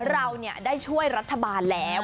เราได้ช่วยรัฐบาลแล้ว